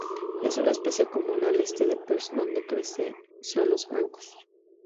Es una especie común al este de Perth donde crece en suelos francos.